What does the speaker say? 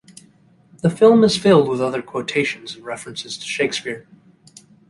The film is filled with other quotations and references to Shakespeare.